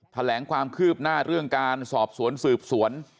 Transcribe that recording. แถลงความคืบหน้าเรื่องการสอบสวนสืบสวน